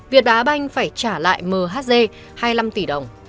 việt á banh phải trả lại mhz hai mươi năm tỷ đồng